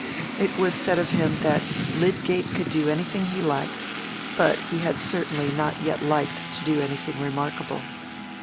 It was said of him, that Lydgate could do anything he liked, but he had certainly not yet liked to do anything remarkable.